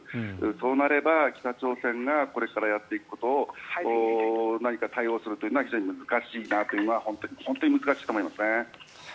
そうなれば北朝鮮がこれからやっていくことを何か対応するというのは非常に難しいなというのは本当に難しいと思いますね。